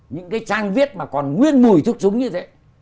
những cái trang viết mà còn nguyên mùi thuốc súng như thế